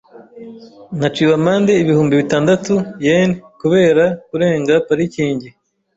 Naciwe amande ibihumbi bitandatu yen kubera kurenga parikingi .